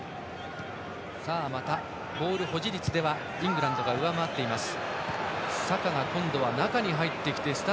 ボール保持率ではイングランドが上回っています。